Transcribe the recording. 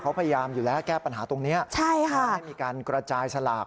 เขาพยายามอยู่แล้วแก้ปัญหาตรงนี้ใช่ค่ะให้มีการกระจายสลาก